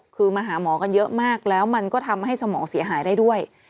คือมาหาหมอกันเยอะมากแล้วมันก็ทำให้สมองเสียหายได้ด้วย